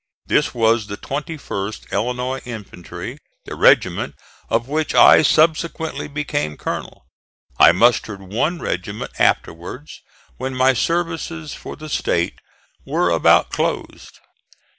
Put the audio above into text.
This was the 21st Illinois infantry, the regiment of which I subsequently became colonel. I mustered one regiment afterwards, when my services for the State were about closed.